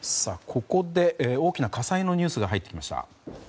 ここで、大きな火災のニュースが入ってきました。